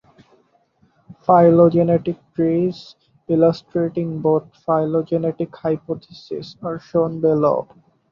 Phylogenetic trees illustrating both phylogenetic hypotheses are shown below.